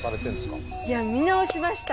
いや見直しました。